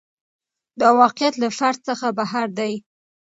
دا واقعیت له فرد څخه بهر دی.